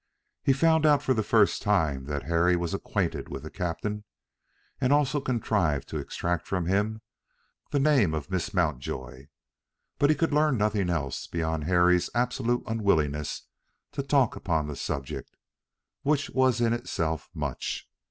He found out for the first time that Harry was acquainted with the captain, and also contrived to extract from him the name of Miss Mountjoy. But he could learn nothing else, beyond Harry's absolute unwillingness to talk upon the subject, which was in itself much.